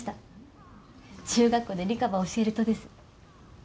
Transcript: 中学校で理科ば教えるとです。